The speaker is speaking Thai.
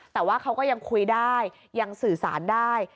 แต่ว่าเขาก็ยังคุยได้ยังสื่อสารได้